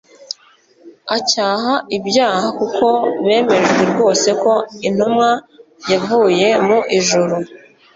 acyaha ibyaha, kuko bemejwe rwose ko ari intumwa yavuye mu ijuru.